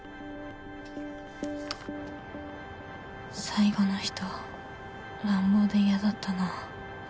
最後の人乱暴で嫌だったな。